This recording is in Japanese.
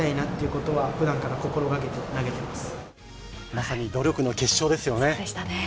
まさに努力の結晶ですよね。